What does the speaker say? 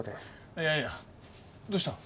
いやいやどうしたの？